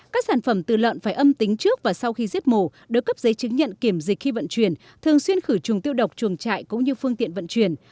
các sản phẩm từ lợn phải âm tính trước và sau khi giết mổ được cấp giấy chứng nhận kiểm dịch khi vận chuyển thường xuyên khử trùng tiêu độc chuồng trại cũng như phương tiện vận chuyển